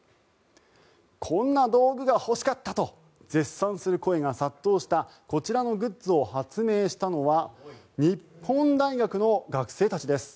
こんな道具が欲しかったと絶賛する声が殺到したこちらのグッズを発明したのは日本大学の学生たちです。